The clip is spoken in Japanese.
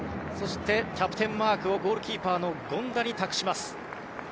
そしてキャプテンマークをゴールキーパー権田に託します。